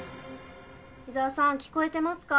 伊沢さん聞こえてますか？